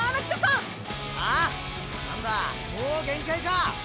何だもう限界か？